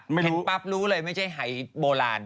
เห็นปั๊บรู้เลยไม่ใช่หายโบราณ